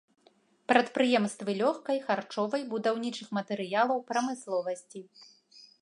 Прадпрыемствы лёгкай, харчовай, будаўнічых матэрыялаў прамысловасці.